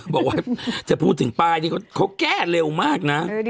บอกว่าจะพูดถึงป้ายที่เขาแก้เร็วมากนะ